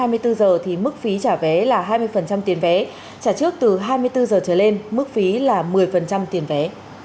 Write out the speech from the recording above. trả trước từ hai mươi bốn h thì mức phí trả vé là hai mươi tiền vé trả trước từ hai mươi bốn h trở lên mức phí là một mươi tiền vé